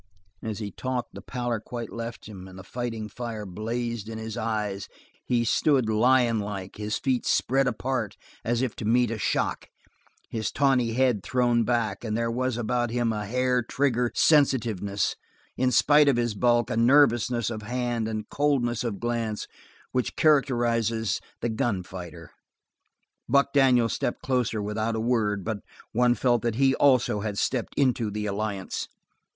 As he talked the pallor quite left him, and the fighting fire blazed in his eyes, he stood lion like, his feet spread apart as if to meet a shock, his tawny head thrown back, and there was about him a hair trigger sensitiveness, in spite of his bulk, a nervousness of hand and coldness of glance which characterizes the gun fighter. Buck Daniels stepped closer, without a word, but one felt that he also had walked into the alliance.